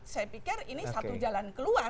saya pikir ini satu jalan keluar